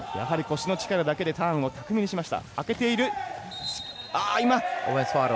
腰の力だけでターンを巧みにしました。